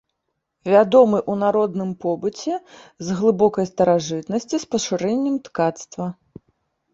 Вядомы ў народным побыце з глыбокай старажытнасці з пашырэннем ткацтва.